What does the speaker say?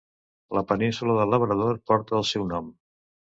La península de Labrador porta el seu nom.